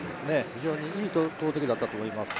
非常にいい投てきだったと思います。